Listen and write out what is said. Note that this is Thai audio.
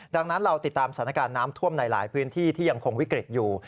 ดังนั้นเราติดตามสถานการณ์น้ำท่วมในหลายพื้นที่ที่ยังคงวิกฤตอยู่